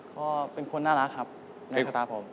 ก็เป็นคนน่ารักครับในสตาร์ผม